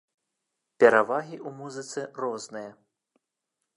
Перавагі ў музыцы розныя.